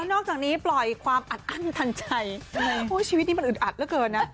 นอกจากนี้ปล่อยความอัดอั้นทันใจชีวิตนี้มันอึดอัดเหลือเกินนะ